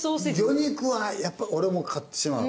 魚肉はやっぱ俺も買ってしまう。